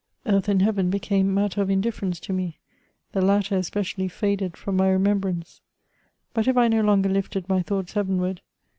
Earth and heaven became matter of indifference to me, the latter especially faded from my remembrance ; but if I no longer lifted my thoughts heavenward.